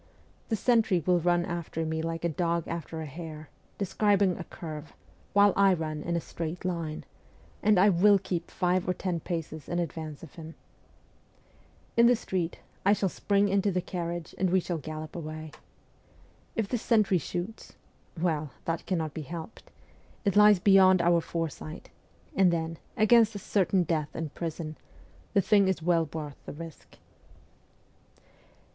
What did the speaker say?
The sentry will run after me like a dog after a hare, describing a curve, while I run in a straight line, and I will keep five or ten paces in advance of him. In the street, I shall spring into the carriage THE ESCAPE 169 and we shall gallop away. If the sentry shoots well, that cannot be helped ; it lies beyond our foresight ; and then, against a certain death in prison, the thing is well worth the risk.'